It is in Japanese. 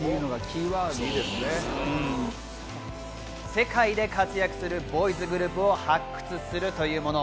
世界で活躍するボーイズグループを発掘するというもの。